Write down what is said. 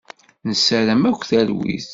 Nessaram akk talwit.